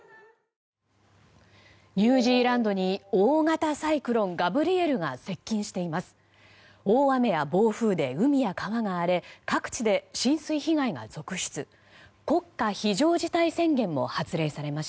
ニュージーランドに大型サイクロンガブリエルが接近しています。